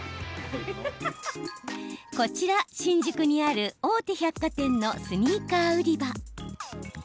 こちら、新宿にある大手百貨店のスニーカー売り場。